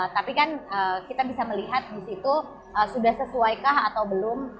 tapi kan kita bisa melihat di situ sudah sesuaikah atau belum